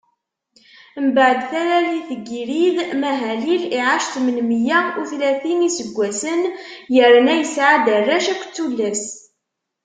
Mbeɛd talalit n Yirid, Mahalalil iɛac tmen meyya utlatin n iseggwasen, yerna yesɛa-d arrac akked tullas.